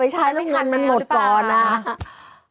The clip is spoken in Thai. ใช้แล้วเงินมันหมดก่อนนะ